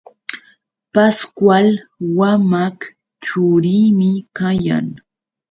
Pascual wamaq churiymi kayan.